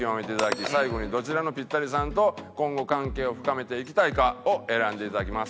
最後にどちらのピッタリさんと今後関係を深めていきたいかを選んでいただきます。